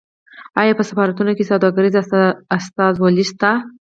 آیا په سفارتونو کې سوداګریزې استازولۍ شته؟